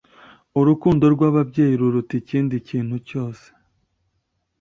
Urukundo rwababyeyi ruruta ikindi kintu cyose